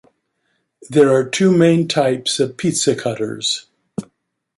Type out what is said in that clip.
There are two main types of pizza cutters.